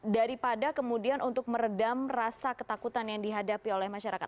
daripada kemudian untuk meredam rasa ketakutan yang dihadapi oleh masyarakat